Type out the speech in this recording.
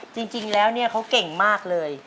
จริงแล้วเนี่ยเขาเก่งมากเลย